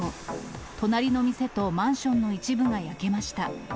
隣の店とマンションの一部が焼けました。